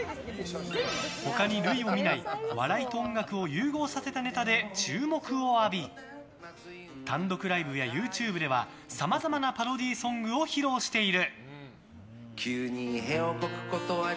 他に類を見ない、笑いと音楽を融合させたネタで注目を浴び単独ライブやＹｏｕＴｕｂｅではさまざまなパロディーソングを披露している。